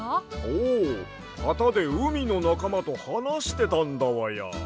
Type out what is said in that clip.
おうはたでうみのなかまとはなしてたんだわや。